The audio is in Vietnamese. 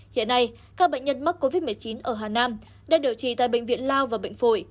hiện nay các bệnh nhân mắc covid một mươi chín ở hà nam đang điều trị tại bệnh viện lao và bệnh phổi